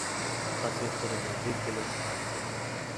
Paseos por el Madrid de los Austrias.